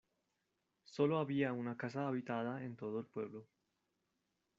Sólo había una casa habitada en todo el pueblo.